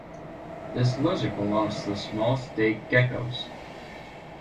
This lizard belongs to the smallest day geckos.